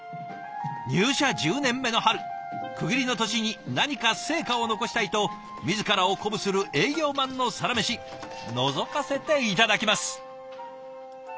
入社１０年目の春区切りの年に何か成果を残したいと自らを鼓舞する営業マンのサラメシのぞかせて頂きます。